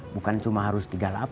bukan cuma harus tiga puluh delapan